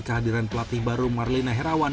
kehadiran pelatih baru marlina herawan